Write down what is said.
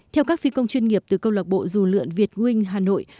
theo các phi công chuyên nghiệp từ công lộc bộ dù lượn việt nguyên hà nội